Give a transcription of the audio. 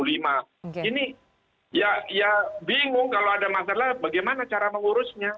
ini ya bingung kalau ada masalah bagaimana cara mengurusnya